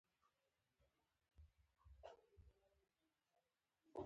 په لومړي ځل پرانیستې ټولنه رامنځته شوه.